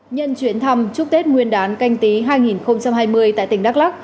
nhân chuyến thăm chúc tết nguyên đán canh tí hai nghìn hai mươi tại tỉnh đắk lắc